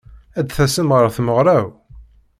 Ad tasem ɣer tmeɣṛa-w?